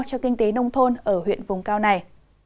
cho kinh tế nông thôn ở huyện vùng cao này